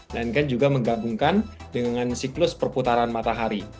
melainkan juga menggabungkan dengan siklus perputaran matahari